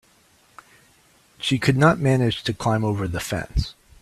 She could not manage to climb over the fence.